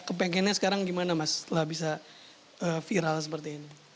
kepengennya sekarang gimana mas setelah bisa viral seperti ini